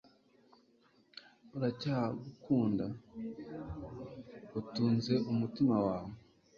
uracyagukunda, utunze umutima wawe